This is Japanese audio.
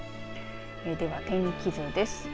では天気図です。